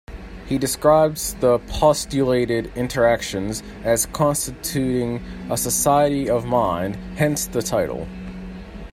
He describes the postulated interactions as constituting a "society of mind", hence the title.